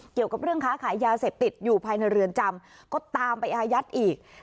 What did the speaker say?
เกี่ยวกับเรื่องค้าขายยาเสพติดอยู่ภายในเรือนจำก็ตามไปอายัดอีก